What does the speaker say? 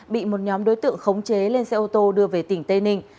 bị một nhóm đối tượng khống chế lên xe ô tô đưa về tỉnh tây ninh